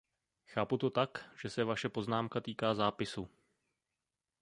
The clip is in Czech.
Chápu to tak, že se vaše poznámka týká zápisu.